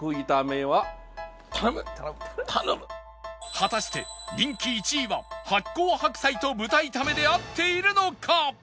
果たして人気１位は発酵白菜と豚炒めで合っているのか？